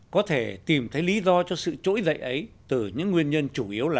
có thể tìm thấy lý do cho sự trỗi dậy ấy từ những nguyên nhân chủ yếu là